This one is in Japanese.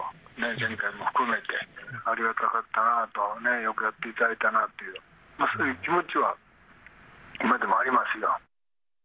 前回も含めて、ありがたかったなと、よくやっていただいたなっていう、そういう気持ちは今でもありますよ。